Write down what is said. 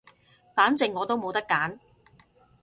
反正我都冇得揀